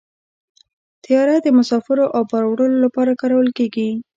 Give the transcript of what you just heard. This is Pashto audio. طیاره د مسافرو او بار وړلو لپاره کارول کېږي.